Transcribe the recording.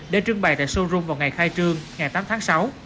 để trưng bày tại showroom vào ngày khai trương ngày tám tháng sáu